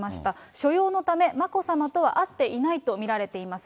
所用のため、眞子さまとは会っていないと見られています。